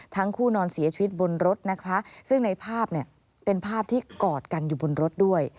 นอนเสียชีวิตบนรถนะคะซึ่งในภาพเนี่ยเป็นภาพที่กอดกันอยู่บนรถด้วย